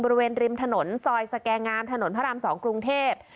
บริเวณริมถนนซอยสแกงามถนนพระราม๒กรุงเทพ